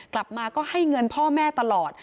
กลับมาก็ให้เงินพ่อแม่ตลอด